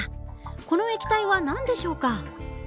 この液体は何でしょうか？